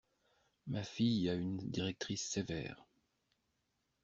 Ma fille a une directrice sévère.